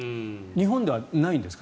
日本ではないんですか。